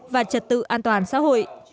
và trật tự an toàn xã hội